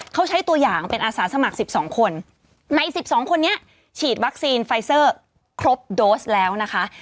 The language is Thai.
เขาใช้ตัวอย่างเป็นอาสาสมัคร๑๒คนใน๑๒คนนี้ฉีดวัคซีนไฟเซอร์ครบโดสแล้วนะคะ